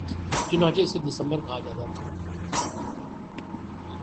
چنانچہ اسے دسمبر کہا جاتا تھا